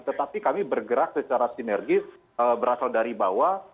tetapi kami bergerak secara sinergis berasal dari bawah